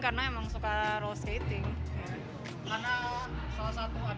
karena salah satu adegan top race juga kan